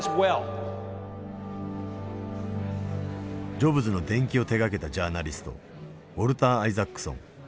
ジョブズの伝記を手がけたジャーナリストウォルター・アイザックソン。